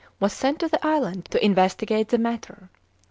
was sent to the island to investigate the matter.